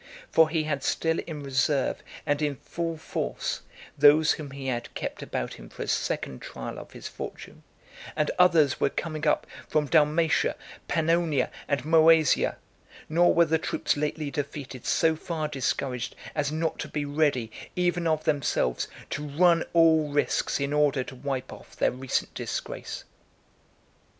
For he had still in reserve, and in full force, those whom he had kept about him for a second trial of his fortune, and others were coming up from Dalmatia, Pannonia, and Moesia; nor were the troops lately defeated so far discouraged as not to be ready, even of themselves, to run all risks in order to wipe off their recent disgrace.